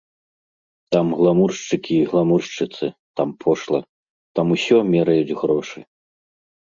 Там гламуршчыкі і гламуршчыцы, там пошла, там усё мераюць грошы.